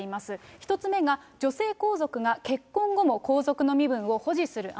１つ目が、女性皇族が結婚後も皇族の身分を保持する案。